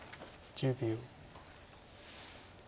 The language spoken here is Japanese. １０秒。